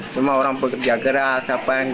cuma orang pekerja keras